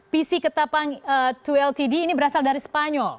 pc ketapang dua ltd ini berasal dari spanyol